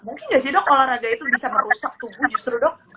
mungkin gak sih dok olahraga itu bisa merusak tubuh justru dok